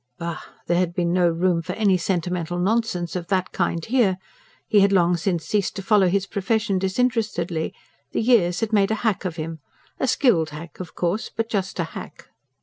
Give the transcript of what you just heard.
Bah! there had been no room for any sentimental nonsense of that kind here. He had long since ceased to follow his profession disinterestedly; the years had made a hack of him a skilled hack, of course but just a hack.